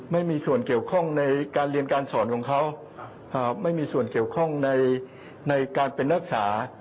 ไม่มีส่วนเกี่ยวข้องในการเรียนการสอนของเขาไม่มีส่วนเกี่ยวข้องในการเป็นรักษา